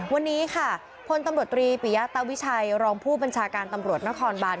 วันนี้ค่ะพลตำรวจตรีปิยะตาวิชัยรองผู้บัญชาการตำรวจนครบาน